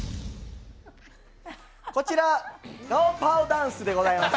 こちらガオパオダンスでございます。